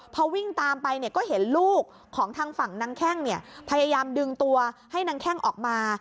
พอวิ่งตามไปเนี่ยก็เห็นลูกของทางฝั่งนางแข้งพยายามดึงตัวให้นางแข้งออกมา